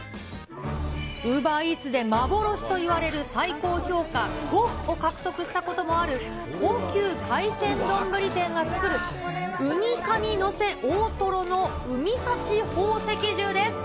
ウーバーイーツで幻といわれる最高評価５を獲得したこともある、高級海鮮丼店が作る、うに蟹のせ大トロの海幸宝石重です。